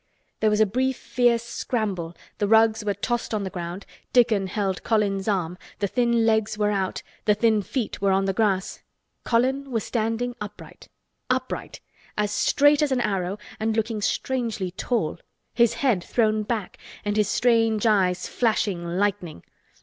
There was a brief fierce scramble, the rugs were tossed on the ground, Dickon held Colin's arm, the thin legs were out, the thin feet were on the grass. Colin was standing upright—upright—as straight as an arrow and looking strangely tall—his head thrown back and his strange eyes flashing lightning.